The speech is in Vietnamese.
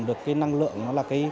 được cái năng lượng